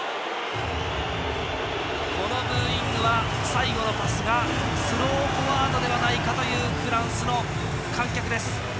このブーイングは最後のパスがスローフォワードではないかというフランスの観客です。